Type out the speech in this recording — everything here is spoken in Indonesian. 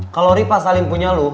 kalau rifa saling punya lo